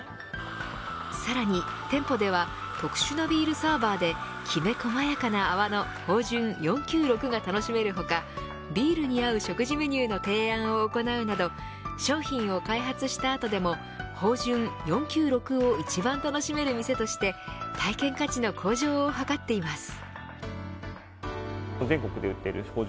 さらに店舗では特殊なビールサーバーできめ細やかな泡の豊潤４９６が楽しめる他ビールに合う食事メニューの提案を行うなど商品を開発したあとでも豊潤４９６を一番楽しめる店として体験価値の向上を図っています。